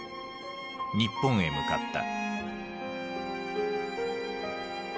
日本へ向かった。